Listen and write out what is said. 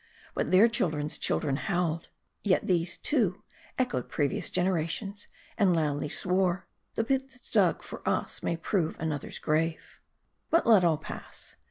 But their children's children howled. Yet these, too, echoed previous generations, and loudly swore, " The pit that's dug for us may prove another's grave." ' But let all pass.